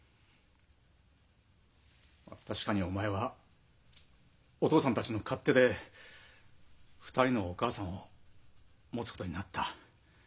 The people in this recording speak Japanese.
確かにお前はお父さんたちの勝手で２人のお母さんを持つことになった。